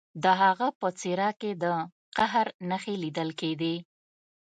د هغه په څیره کې د قهر نښې لیدل کیدې